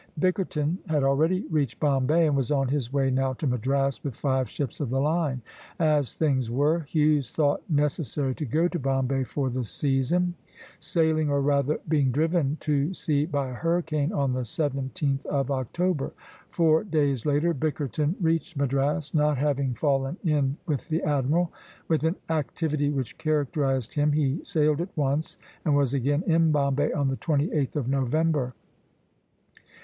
Bickerton had already reached Bombay, and was on his way now to Madras with five ships of the line. As things were, Hughes thought necessary to go to Bombay for the season, sailing or rather being driven to sea by a hurricane, on the 17th of October. Four days later Bickerton reached Madras, not having fallen in with the admiral. With an activity which characterized him he sailed at once, and was again in Bombay on the 28th of November.